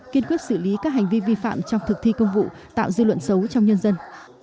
kiên quyết xử lý các hành vi vi phạm trong thực thi công vụ tạo dư luận xấu trong nhân dân